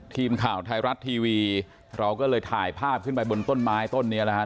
ทีมข่าวไทยรัฐทีวีเราก็เลยถ่ายภาพขึ้นไปบนต้นไม้ต้นนี้นะครับ